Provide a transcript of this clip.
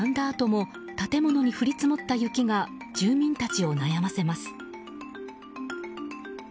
あとも建物に降り積もった雪が住民たちを悩ませます。